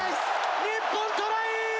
日本トライ！